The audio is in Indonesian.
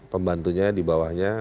pembantunya di bawahnya